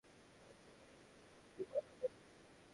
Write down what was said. এরপর হত্যার হুমকি দিয়ে তাঁদের আত্মীয়দের কাছে থেকে মুক্তিপণ আদায় করত।